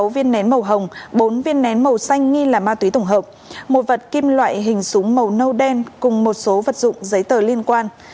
sáu viên nén màu hồng bốn viên nén màu xanh nghi là ma túy tổng hợp một vật kim loại hình súng màu nâu đen cùng một số vật dụng giấy tờ liên quan